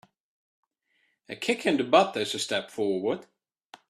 A kick in the butt is a step forward.